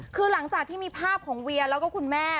คือหลังจากที่มีภาพของเวียแล้วก็คุณแม่